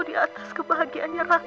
di atas kebahagiaannya raka